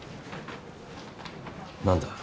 何だ？